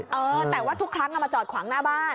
เออแต่ว่าทุกครั้งมาจอดขวางหน้าบ้าน